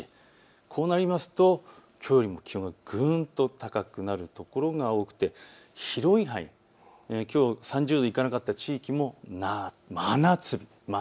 こうなるときょうよりも気温がぐんと高くなる所が多くて広い範囲、きょう３０度にいかなかった地域も真夏日。